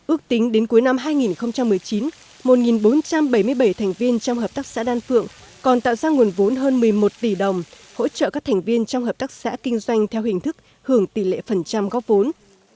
ước tính đến cuối năm hai nghìn một mươi chín một bốn trăm bảy mươi bảy thành viên trong hợp tác xã đan phượng còn tạo ra nguồn vốn hơn một mươi một tỷ đồng hỗ trợ các thành viên trong hợp tác xã kinh doanh theo hình thức hưởng tỷ lệ phần trăm góp vốn